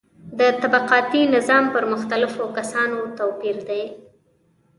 د طبقاتي نظام پر مختلفو کسانو توپیر دی.